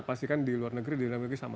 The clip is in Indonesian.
ini kan di luar negeri di dalam negeri sama